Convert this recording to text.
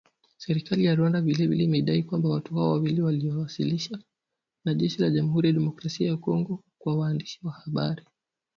Serikali ya Rwanda vile vile imedai kwamba watu hao wawili walioasilishwa na jeshi la Jamhuri ya Kidemokrasia ya Kongo kwa waandishi wa habari